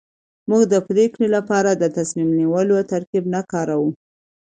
موږ د پرېکړې لپاره د تصميم نيولو ترکيب نه کاروو.